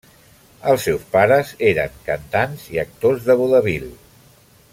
Els seus pares eren cantants i actors de vodevil.